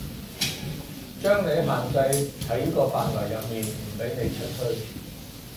將你限制喺個範圍入面，唔畀你出去